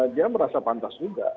dia merasa pantas juga